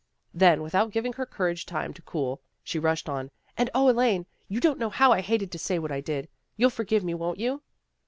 Then, without giving her courage tune to cool, she rushed on, " And, 0, Elaine, you don't know how I hated to say what I did. You'll forgive me, won't you?